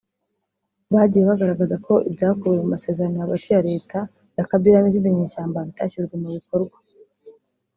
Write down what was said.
bagiye bagaragaza ko ibyakubiwe mu masezerano hagati ya Leta ya Kabila n’izi nyeshyamba bitashyizwe mu bikorwa